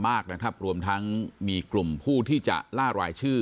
มากนะครับรวมทั้งมีกลุ่มผู้ที่จะล่ารายชื่อ